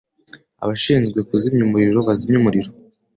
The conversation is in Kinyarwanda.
Abashinzwe kuzimya umuriro bazimye umuriro.